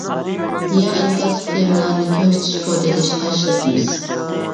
يېڭى ئىنكاسلىق تېمىلارنى كۆرسىتىش كودى ئېلىشقا ئىشلىتىمىز.